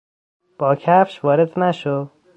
با کفش وارد نشو!